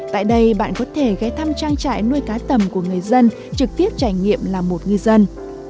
tại đây bạn có thể ghé thăm trang trại nuôi cá tầm của người dân trực tiếp trải nghiệm làm một ngư dân